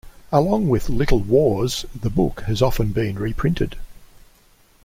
Along with "Little Wars," the book has often been reprinted.